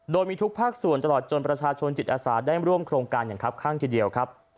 โดยมีทุกภาคส่วนตลอดจนประชาชนจิตอาสาได้ร่วมโครงการอย่างครับข้างทีเดียวครับ